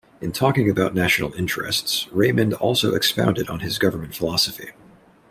In talking about National Interests, Raymond also expounded on his government philosophy.